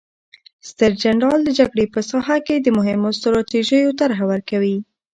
ستر جنرال د جګړې په ساحه کې د مهمو ستراتیژیو طرحه ورکوي.